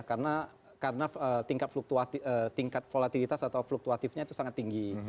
karena tingkat volatilitas atau fluktuatifnya itu sangat tinggi